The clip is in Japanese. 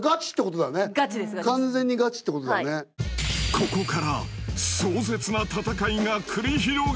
［ここから］